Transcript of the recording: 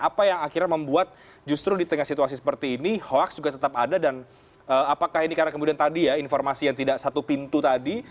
apa yang akhirnya membuat justru di tengah situasi seperti ini hoax juga tetap ada dan apakah ini karena kemudian tadi ya informasi yang tidak satu pintu tadi